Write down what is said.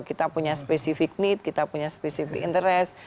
kita punya spesifik need kita punya spesifik interest